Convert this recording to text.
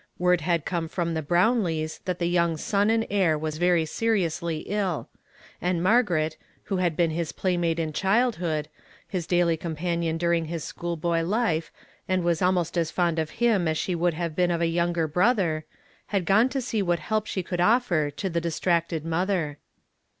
Word bad come from tbe IJrownlees tbat tbe young son and beir was very seiiously ill ; and Margaret, wbo bad been bis playmate in ebildbood, bis daily companion during bis sebool boy life, and was almost as fond of bim as sbe would bave been of a younger brotber, bad gone to see wbat belp sbe could offer to tbe disti acted inolber.